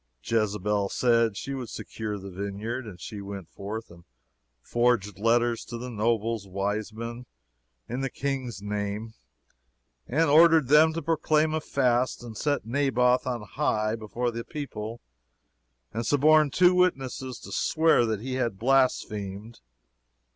Jezebel said she could secure the vineyard; and she went forth and forged letters to the nobles and wise men, in the King's name, and ordered them to proclaim a fast and set Naboth on high before the people, and suborn two witnesses to swear that he had blasphemed.